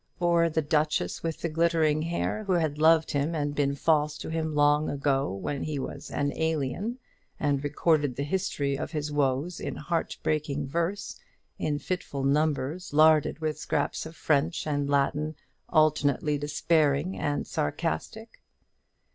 or the Duchess with the glittering hair, who had loved him and been false to him long ago, when he was an alien, and recorded the history of his woes in heart breaking verse, in fitful numbers, larded with scraps of French and Latin, alternately despairing and sarcastic?